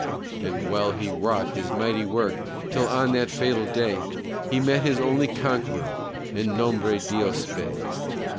And well he wrought his mighty work, Till on that fatal day, He met his only conqueror, In Nombre Dios Bay.